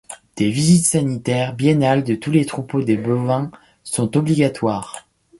Des visites sanitaires biennales de tous les troupeaux de bovins sont obligatoires.